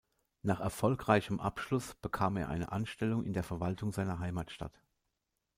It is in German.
Nach erfolgreichem Abschluss bekam er eine Anstellung in der Verwaltung seiner Heimatstadt.